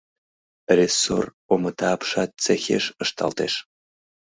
Рессор омыта апшат цехеш ышталтеш.